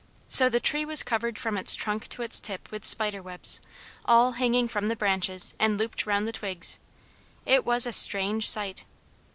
So the tree was covered from its trunk to its tip with spider webs, all hanging from the branches and looped round the twigs; it was a strange sight.